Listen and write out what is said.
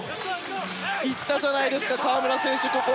行ったじゃないですか河村選手！